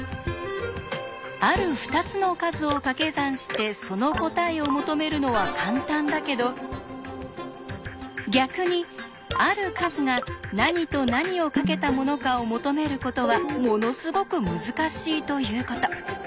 ある２つの数をかけ算してその答えを求めるのは簡単だけど逆にある数が何と何をかけたものかを求めることはものすごく難しいということ。